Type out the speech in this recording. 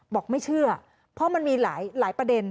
บอกไม่เชื่อเพราะมันมีหลายประเด็น